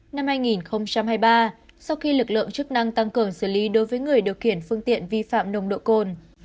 năm hai nghìn hai mươi ba sau khi lực lượng chức năng tăng cường xử lý đối với người điều khiển phương tiện vi phạm nồng độ cồn